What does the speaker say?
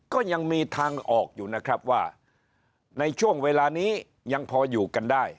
ก็ยังมีทางออกอยู่นะครับว่าในช่วงเวลานี้ยังพออยู่กันได้